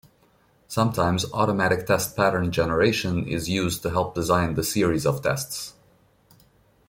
Sometimes automatic test pattern generation is used to help design the series of tests.